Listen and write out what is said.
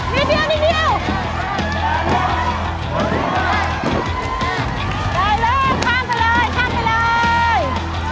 เจอเลิกขั้นไปเลยขั้นไปเลย